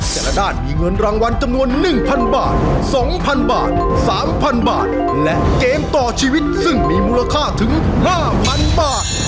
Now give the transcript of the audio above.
แต่ละด้านมีเงินรางวัลจำนวน๑๐๐บาท๒๐๐บาท๓๐๐บาทและเกมต่อชีวิตซึ่งมีมูลค่าถึง๕๐๐๐บาท